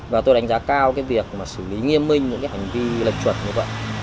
và tôi đánh giá cao cái việc xử lý nghiêm minh những hành vi lệch chuẩn như vậy